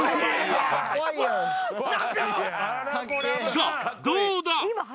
さあどうだ？